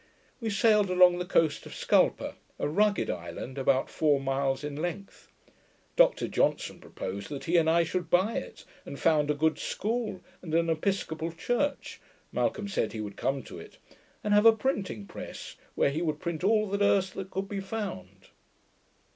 We sailed along the coast of Scalpa, a rugged island, about four miles in length. Dr Johnson proposed that he and I should buy it, and found a good school, and an episcopal church (Malcolm said, he would come to it), and have a printing press, where he would print all the Erse that could be found.